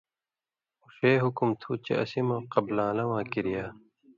اُو ݜے حُکُم تھُو چے اسی مہ قبلان٘لہ واں کِریا